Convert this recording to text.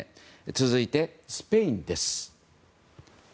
続いて、スペインです。